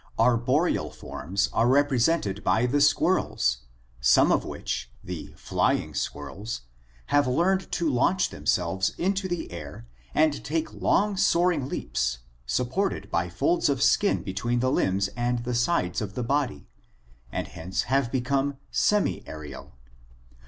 Arboreal forms are represented by the squirrels, some of which — the flying squirrels — have learned to launch themselves into the air and take long soaring leaps, supported by folds of skin between the limbs and the sides of the body, and hence have become semi aerial.